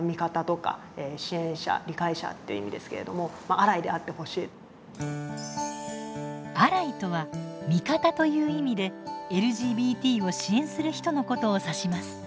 小川さんたちに寄せられた声には「アライ」とは「味方」という意味でＬＧＢＴを支援する人のことを指します。